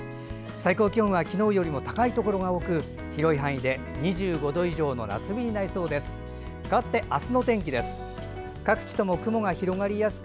最高気温は昨日よりも高いところが多く広い範囲で２５度以上の夏日になりそうです。